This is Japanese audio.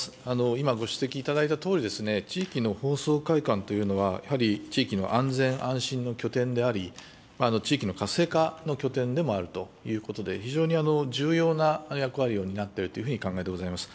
今、ご指摘いただいたとおり、地域の放送会館というのは、やはり地域の安全・安心の拠点であり、地域の活性化の拠点でもあるということで、非常に重要な役割を担っているというふうに考えてございます。